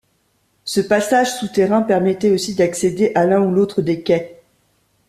Ce passage souterrain permettait aussi d’accéder à l’un ou l’autre des quais.